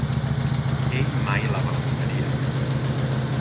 Ell mai la perdonaria.